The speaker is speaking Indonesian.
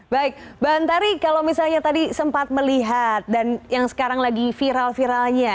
baik mbak antari kalau misalnya tadi sempat melihat dan yang sekarang lagi viral viralnya